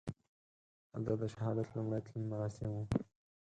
هلته د شهادت لومړي تلین مراسم وو.